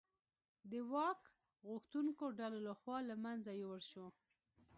د واک غوښتونکو ډلو لخوا له منځه یووړل شول.